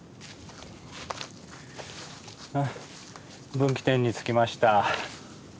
分岐点に着きました。